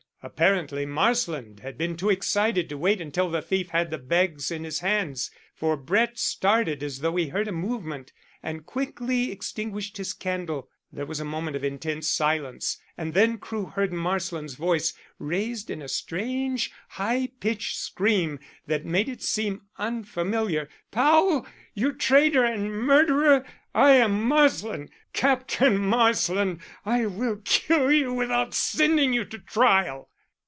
Apparently Marsland had been too excited to wait until the thief had the bags in his hands, for Brett started as though he heard a movement, and quickly extinguished his candle. There was a moment of intense silence, and then Crewe heard Marsland's voice raised in a strange high pitched scream that made it seem unfamiliar. "Powell, you traitor and murderer! I am Marsland Captain Marsland. I will kill you without sending you to trial."